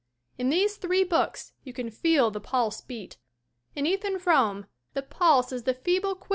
In these three books you can feel the pulse beat. In Ethan Frome the pulse is the feeble_quiy_e.